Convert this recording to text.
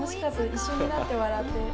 一緒になって笑って。